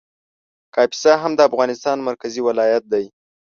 کاپیسا هم د افغانستان مرکزي ولایت دی